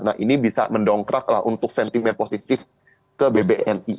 nah ini bisa mendongkrak lah untuk sentimen positif ke bbni